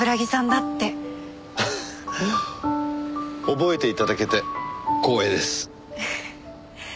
覚えて頂けて光栄です。